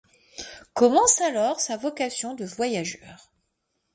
Commence alors sa vocation de voyageur.